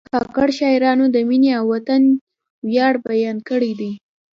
کاکړ شاعرانو د مینې او وطن ویاړ بیان کړی دی.